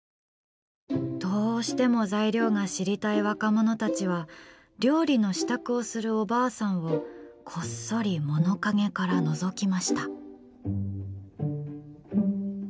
どうしても材料が知りたい若者たちは料理の支度をするおばあさんをこっそり物陰からのぞきました。